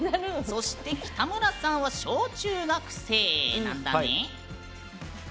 そして、北村さんは小中学生なんだね？